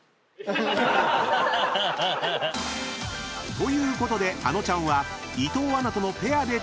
［ということであのちゃんは伊藤アナとのペアで挑戦］